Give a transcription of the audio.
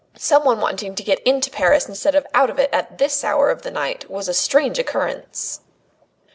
Someone wanting to get into Paris instead of out of it at this hour of the night was a strange occurrence.